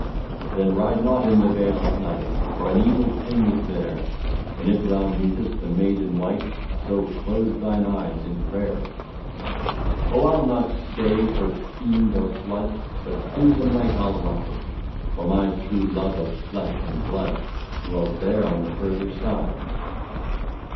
*^ Oh ! ride not in the vale at night, For an evil thing is there ; And if thou meetest the maid in white, So close thine eyes in prayer/* " Oh ! I '11 not stay for fiend or flood, But through the night I '11 ride. For my true love of flesh and blood Dwells there on the farther side."